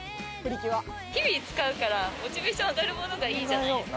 日々使うからモチベーション上がるものがいいじゃないですか。